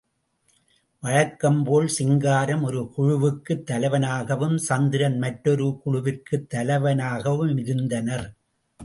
வழக்கம் போல் சிங்காரம் ஒரு குழுவுக்குத் தலைவனாகவும், சந்திரன் மற்றொரு குழுவிற்குத் தலைவனாகவும் இருந்தனர்.